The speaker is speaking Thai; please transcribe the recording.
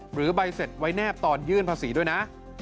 หรือใบเสร็จไว้แนบตอนยื่นภาษีด้วยนะ